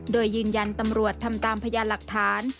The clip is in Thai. โดยยืนยันตำรวจทำตามพยานหลักฐาน